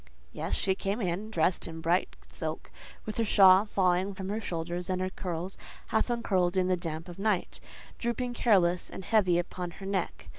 Yes: in she came, dressed in bright silk, with her shawl falling from her shoulders, and her curls, half uncurled in the damp of night, drooping careless and heavy upon her neck.